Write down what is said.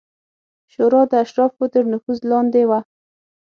شورا د اشرافو تر نفوذ لاندې وه